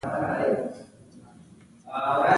هېڅ ډول تصنعي رنګ په کې ځای نشي پيدا کولای.